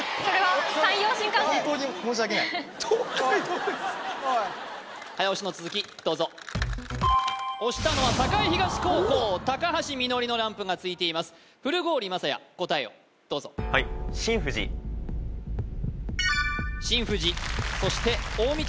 おいおい早押しの続きどうぞ押したのは栄東高校みのりのランプがついています古郡将也答えをどうぞはい新富士そして大道